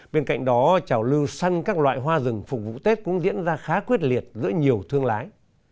bên cạnh đó trào lưu săn các loại hoa rừng phục vụ tết cũng diễn ra khá quyết liệt giữa nhiều thương lái